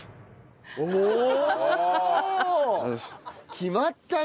決まったね。